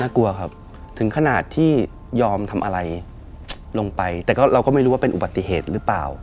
กลัวครับถึงขนาดที่ยอมทำอะไรลงไปแต่เราก็ไม่รู้ว่าเป็นอุบัติเหตุหรือเปล่า